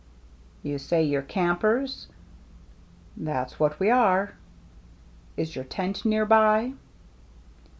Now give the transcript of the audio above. " You say you're campers ?"" That's what we are." "Is your tent near by